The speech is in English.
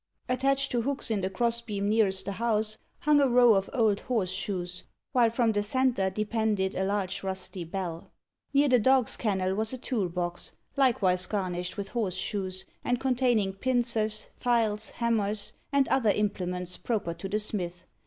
Attached to hooks in the cross beam nearest the house hung a row of old horse shoes, while from the centre depended a large rusty bell. Near the dog's kennel was a tool box, likewise garnished with horse shoes, and containing pincers, files, hammers, and other implements proper to the smith.